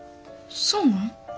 そうなん？